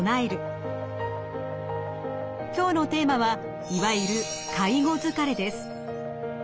今日のテーマはいわゆる介護疲れです。